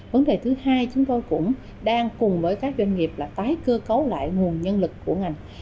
vấn đề thứ hai chúng tôi cũng đang cùng với các doanh nghiệp là tái cơ cấu lại nguồn nhân lực của ngành